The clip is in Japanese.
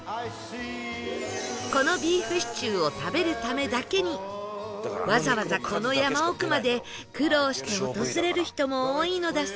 このビーフシチューを食べるためだけにわざわざこの山奥まで苦労して訪れる人も多いのだそう